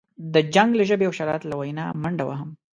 د جنګ له ژبې او شرارت له وینا منډه وهم.